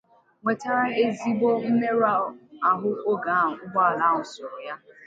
nwètara ezigbo mmerụ ahụ oge ahụ ụgbọala ahụ sùrù ya